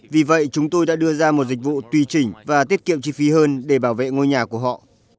vì vậy chúng tôi đã đưa ra một dịch vụ tùy chỉnh và tiết kiệm chi phí hơn để bảo vệ ngôi nhà của họ